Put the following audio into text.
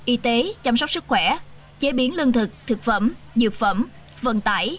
y tế chăm sóc sức khỏe chế biến lương thực thực phẩm dược phẩm vận tải